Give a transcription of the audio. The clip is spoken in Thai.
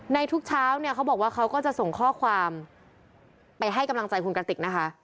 ทุกเช้าเนี่ยเขาบอกว่าเขาก็จะส่งข้อความไปให้กำลังใจคุณกติกนะคะ